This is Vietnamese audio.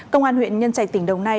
công an huyện nhân trạch tỉnh đồng nai